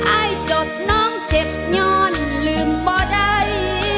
อายจบน้องเจ็บย่อนลืมบ่อใด